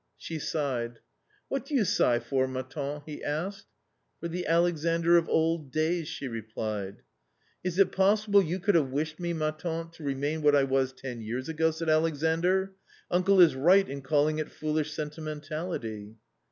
She sighed. " What do you sigh for, ma tante ?" he asked. " For the Alexandr of old days," she replied " Is it possible you could have wished me, ma tante, to remain what I was ten years ago ?" said Alexandr. " Uncle is right in calling it foolish sentimentality.